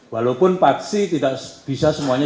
walaupun paksi tidak bisa semuanya